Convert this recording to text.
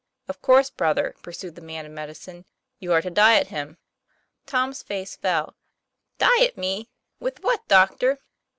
"Of course, brother," pursued the man of medi cine, "you are to diet him." Tom's face fell. " Diet me! with what, doctor